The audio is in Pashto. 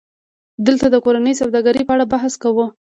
دلته د کورنۍ سوداګرۍ په اړه بحث کوو